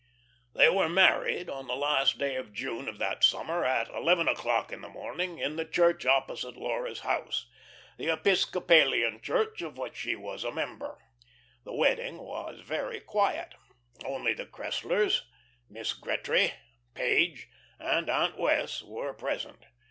They were married on the last day of June of that summer at eleven o'clock in the morning in the church opposite Laura's house the Episcopalian church of which she was a member. The wedding was very quiet. Only the Cresslers, Miss Gretry, Page, and Aunt Wess' were present.